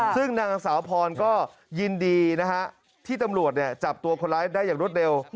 ซึ่งนางสาวพรก็ยินดีนะฮะที่ตำรวจจับตัวคนร้ายได้อย่างรวดเร็ว